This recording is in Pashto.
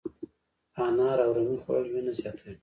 انار او رومي خوړل وینه زیاتوي.